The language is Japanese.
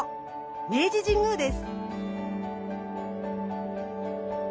明治神宮です。